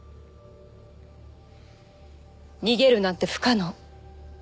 逃げるなんて不可能。